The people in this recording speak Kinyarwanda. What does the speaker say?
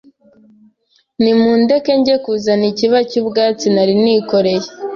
Nimundeke njye kuzana ikiba cy' ubwa tsi nari nikoreye